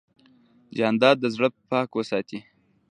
جانداد د زړه پاکي ساتي.